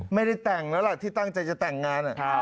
ไม่ได้แต่งแล้วล่ะที่ตั้งใจจะแต่งงาน